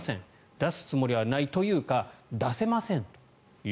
出すつもりはないというか出せませんと。